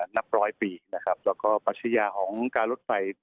นับร้อยปีนะครับแล้วก็ปัชญาของการรถไฟ